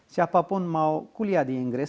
siapa pun mau kuliah di inggris ayo